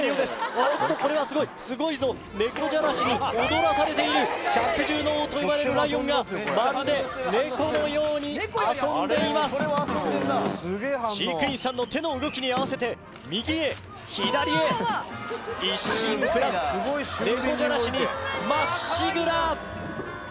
おっとこれはすごいすごいぞ猫じゃらしに踊らされている百獣の王といわれるライオンがまるでネコのように遊んでいます飼育員さんの手の動きに合わせて右へ左へ一心不乱猫じゃらしにまっしぐら